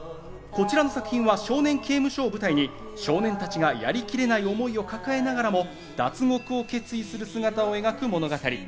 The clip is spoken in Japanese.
こちらの作品は少年刑務所を舞台に少年たちがやりきれない思いを抱えながらも脱獄を決意する姿を描く物語。